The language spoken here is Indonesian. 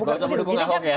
bukan untuk dukung ahok ya